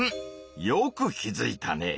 よく気づいたね。